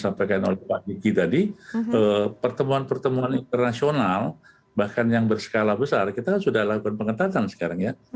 sampaikan oleh pak diki tadi pertemuan pertemuan internasional bahkan yang berskala besar kita sudah lakukan pengetatan sekarang ya